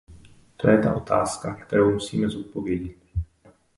To je ta otázka, kterou musíme zodpovědět.